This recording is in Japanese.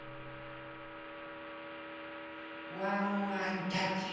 ワンワンたち。